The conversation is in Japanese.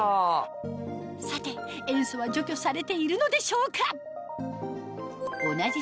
さて塩素は除去されているのでしょうか？